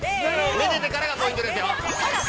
めでてからがポイントですよ。